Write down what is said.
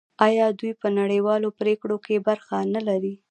آیا دوی په نړیوالو پریکړو کې برخه نلري؟